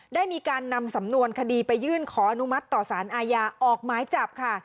ได้มีการนำสำนวนคดีไปยื่นขออนุมัติต่อสารอาญาออกหมายจับค่ะ